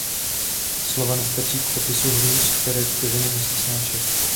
Slova nestačí k popisu hrůz, které tyto ženy musí snášet.